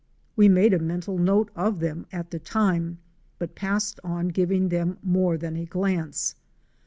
We made a mental note of them at the time but passed on without giving them more than a glance.